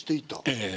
ええ。